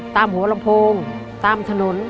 ตามหัวลำโพงตามถนน